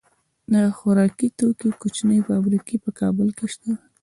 د خوراکي توکو کوچنۍ فابریکې په کابل کې شته.